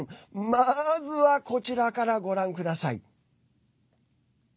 まずは、こちらからご覧ください。